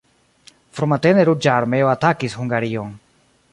Frumatene Ruĝa Armeo atakis Hungarion.